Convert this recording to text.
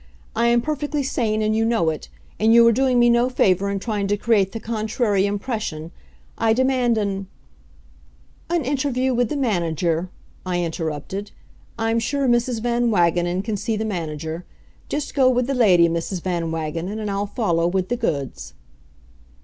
"I am perfectly sane and you know it, and you are doing me no favor in trying to create the contrary impression. I demand an " "An interview with the manager," I interrupted. "I'm sure Mrs. Van Wagenen can see the manager. Just go with the lady, Mrs. Van Wagenen, and I'll follow with the goods."